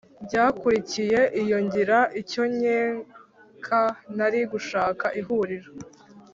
byakurikiye. iyo ngira icyo nkeka, nari gushaka ihuriro